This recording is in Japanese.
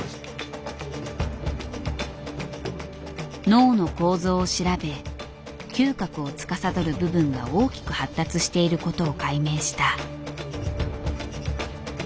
脳の構造を調べ嗅覚をつかさどる部分が大きく発達している事を解明した。